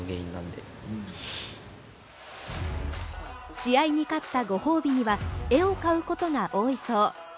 試合に勝ったご褒美には絵を買うことが多いそう。